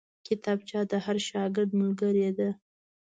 کتابچه د هر شاګرد ملګرې ده